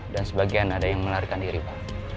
dan sebagian ada yang menarikan diri pak